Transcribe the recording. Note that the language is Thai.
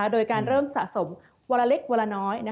โดยการเริ่มสะสมวันละเล็กวันละน้อย